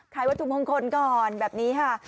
วัตถุมงคลก่อนแบบนี้ค่ะ